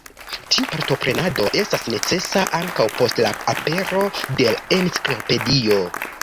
Tiu partoprenado estas necesa ankaŭ post la apero de la Enciklopedio.